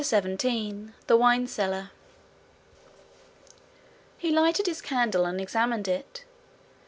CHAPTER 17 The Wine Cellar He lighted his candle and examined it.